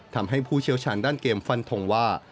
ผู้เชี่ยวชาญด้านเกมฟันทงว่า